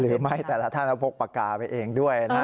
ไม่แต่ละท่านพกปากกาไปเองด้วยนะ